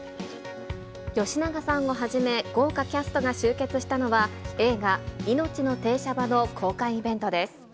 吉永さんをはじめ、豪華キャストが集結したのは、映画、いのちの停車場の公開イベントです。